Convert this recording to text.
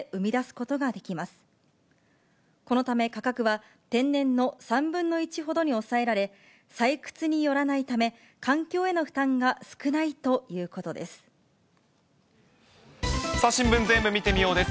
このため、価格は天然の３分の１ほどに抑えられ、採掘によらないため、環境への負担が少ないということです。